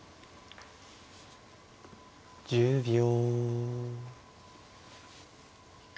１０秒。